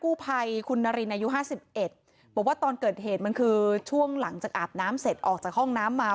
กู้ภัยคุณนารินอายุห้าสิบเอ็ดบอกว่าตอนเกิดเหตุมันคือช่วงหลังจากอาบน้ำเสร็จออกจากห้องน้ำมา